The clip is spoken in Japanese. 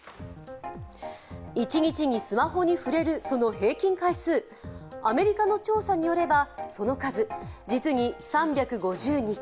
１日にスマホに触れるその平均回数アメリカの調査によれば、その数、実に３５２回。